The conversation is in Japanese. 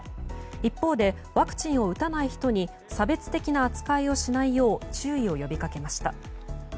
一方でワクチンを打たない人に差別的な扱いをしないよう注意を呼びかけました。